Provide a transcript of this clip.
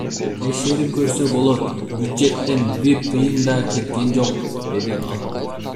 Текшерип көрсө болот, бюджеттен бир тыйын да кеткен жок, — деди ал.